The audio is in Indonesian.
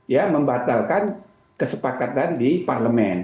ya membatalkan kesepakatan di parlemen